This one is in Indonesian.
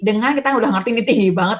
dengan kita sudah mengerti ini tinggi banget